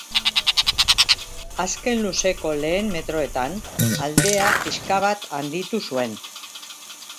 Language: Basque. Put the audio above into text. Azken luzeko lehen metroetan aldea pixka bat handitu zuen.